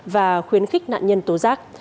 và khuyến khích nạn nhân tố giác